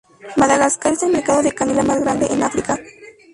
Madagascar es el mercado de canela más grande en África.